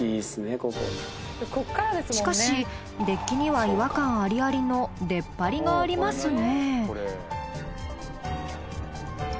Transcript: しかしデッキには違和感ありありの出っ張りがありますね。